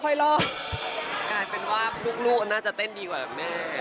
กลายเป็นว่าลูกจะเต้นดีกว่ามาก